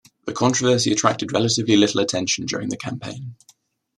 The controversy attracted relatively little attention during the campaign.